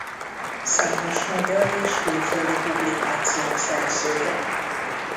Számos magyar és külföldi publikáció szerzője.